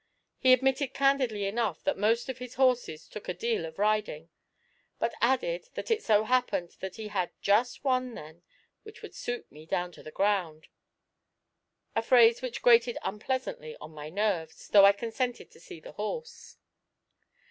He admitted candidly enough that most of his horses 'took a deal of riding,' but added that it so happened that he had one just then which would suit me 'down to the ground' a phrase which grated unpleasantly on my nerves, though I consented to see the horse.